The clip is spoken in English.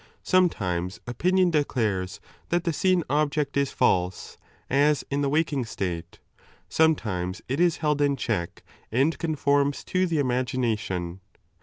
Sometimes opinion declares that the seen object is false, as in the waking state; some times it is held in check and conforms to the imagination.